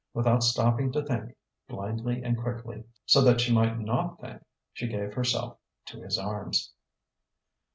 Without stopping to think blindly and quickly, so that she might not think she gave herself to his arms.